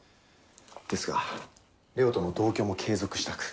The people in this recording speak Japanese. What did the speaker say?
ですがレオとの同居も継続したく。